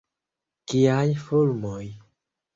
Kiaj fulmoj!